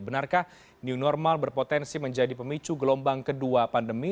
benarkah new normal berpotensi menjadi pemicu gelombang kedua pandemi